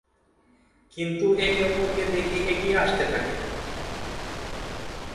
কিন্তু একে অপরকে দেখে এগিয়ে আসতে থাকে।